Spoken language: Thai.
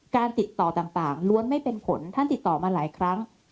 การติดต่อต่างล้วนไม่เป็นผลท่านติดต่อมาหลายครั้ง